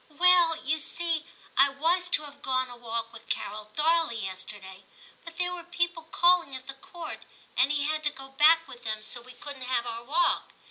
'Well, you see, I was to have gone a walk with Carol Darley yesterday, but there were people calling at the Court, and he had to go back with them, so we couldn't have our walk.